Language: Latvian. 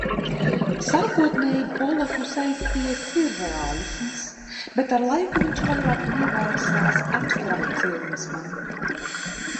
Sākotnēji Poloku saistīja sirreālisms, bet ar laiku viņš vairāk pievērsās abstrakcionismam.